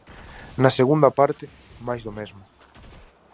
Na segunda parte, máis do mesmo.